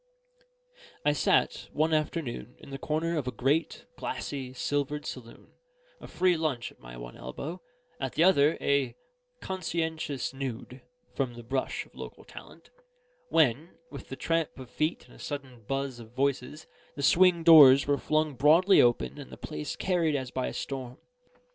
I sat, one afternoon, in the corner of a great, glassy, silvered saloon, a free lunch at my one elbow, at the other a "conscientious nude" from the brush of local talent; when, with the tramp of feet and a sudden buzz of voices, the swing doors were flung broadly open and the place carried as by storm.